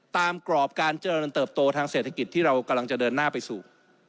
กรอบการเจริญเติบโตทางเศรษฐกิจที่เรากำลังจะเดินหน้าไปสู่